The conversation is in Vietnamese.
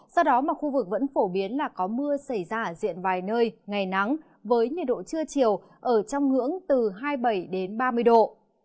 do đó mà khu vực vẫn phổ biến là có mưa xảy ra ở diện vài nơi ngày nắng với nhiệt độ trưa chiều ở trong ngưỡng từ hai mươi bảy đến ba mươi độ